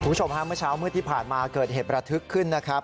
ผู้ชมฮะเมื่อเที่ยวผ่านมาเกิดเหตุประทึกขึ้นนะครับ